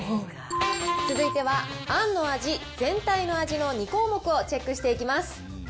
続いては、あんの味、全体の味の２項目をチェックしていきま